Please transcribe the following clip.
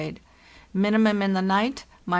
(Minimum in the night, —47.